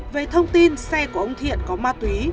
về thông tin xe của ông thiện có mặt